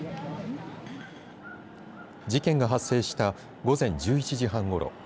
事件が発生した午前１１時半ごろ。